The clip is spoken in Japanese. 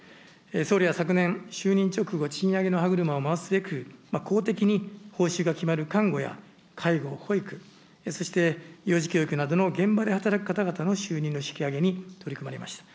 総理は昨年、就任直後、賃上げの歯車を回すべく、公的に報酬が決まる看護や介護、保育、そして幼児教育などの現場で働く方々の収入の引き上げに取り組まれました。